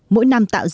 mỗi năm tháng năm